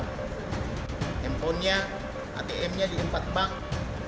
handphonenya atm nya di empat bank